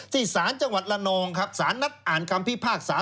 ศาลจังหวัดละนองครับสารนัดอ่านคำพิพากษา